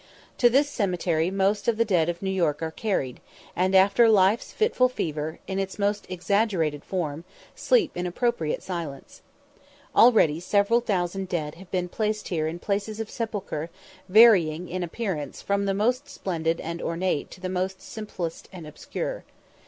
To this cemetery most of the dead of New York are carried, and after "life's fitful fever," in its most exaggerated form, sleep in appropriate silence. Already several thousand dead have been placed here in places of sepulture varying in appearance from the most splendid and ornate to the simplest and most obscure.